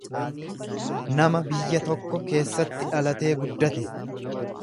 nama biyya tokko keessatti dhalatee guddate.